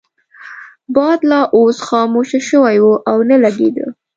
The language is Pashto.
باد لا اوس خاموشه شوی وو او نه لګیده.